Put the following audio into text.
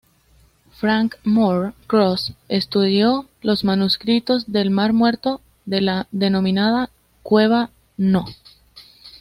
Frank Moore Cross estudió los manuscritos del Mar Muerto de la denominada Cueva No.